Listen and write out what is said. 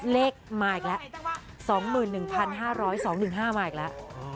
เลขมาอีกแล้ว๒๑๕๐๒๑๕มาอีกแล้ว